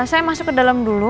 saya masuk ke dalam dulu